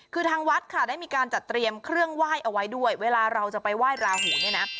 คือทางวัดค่ะได้มีการจัดเตรียมเครื่องไหว้เอาไว้ด้วยเวลาเราจะไปไหว้ราหูเนี่ยนะ